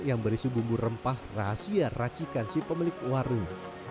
yang berisi bumbu rempah rahasia racikan si pemilik warung